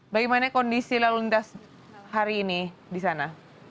bagaimana kondisi lalu lintas hari ini di sana